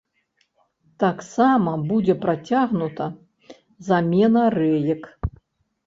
Таксама будзе працягнута замена рэек.